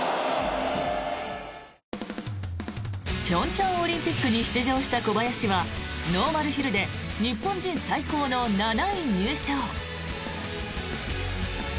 平昌オリンピックに出場した小林はノーマルヒルで日本人最高の７位入賞。